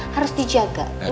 harus dijaga bener nggak